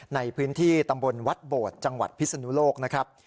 ในพื้นที่ตำบลวัดโบดจังหวัดพิศนุโลกนะครับ